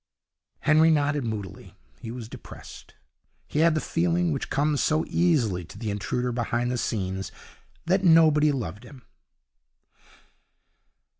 Henry nodded moodily. He was depressed. He had the feeling, which comes so easily to the intruder behind the scenes, that nobody loved him.